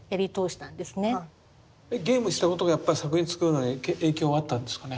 えっゲームしたことがやっぱ作品作るのに影響はあったんですかね？